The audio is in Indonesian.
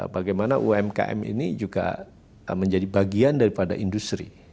bagaimana umkm ini juga menjadi bagian daripada industri